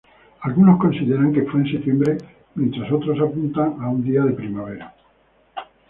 Algunos consideran que fue en septiembre, mientras otros apuntan a un día de primavera.